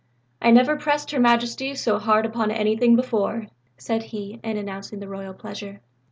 "I never pressed Her Majesty so hard upon anything before," said he, in announcing the Royal pleasure.